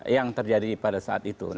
yang terjadi pada saat itu